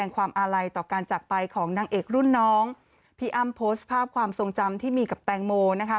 ความทรงจำที่มีกับแตงโมนะคะ